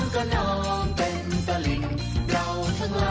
เขาเรียกพับอะไรแม่